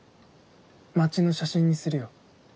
街の写真にするよ。